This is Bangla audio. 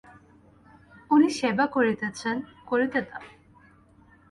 উনি সেবা করিতেছেন, করিতে দাও।